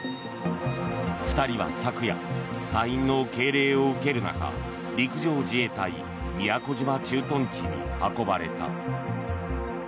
２人は昨夜隊員の敬礼を受ける中陸上自衛隊宮古島駐屯地に運ばれた。